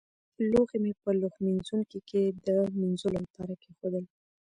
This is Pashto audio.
لوښي مې په لوښمینځوني کې د مينځلو لپاره کېښودل.